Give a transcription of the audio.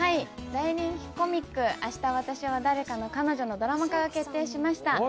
大人気コミック「明日、私は誰かのカノジョ」のドラマ化が決定しました。